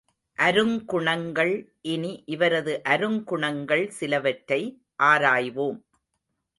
அருங்குணங்கள் இனி இவரது அருங்குணங்கள் சிலவற்றை ஆராய்வோம்.